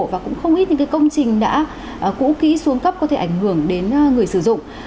và cũng không ít những công trình đã cũ kỹ xuống cấp có thể ảnh hưởng đến người sử dụng